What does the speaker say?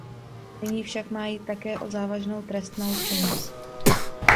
Nyní však má jít také o závažnou trestnou činnost.